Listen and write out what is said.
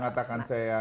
oh ya saya setuju